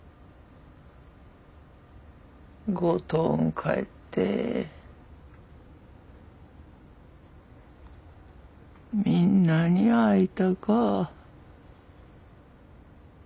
五島ん帰ってみんなに会いたか。